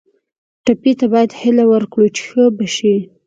ټپي ته باید هیله ورکړو چې ښه به شي.